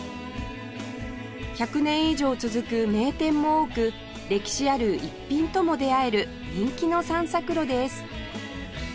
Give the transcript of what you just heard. １００年以上続く名店も多く歴史ある逸品とも出会える人気の散策路です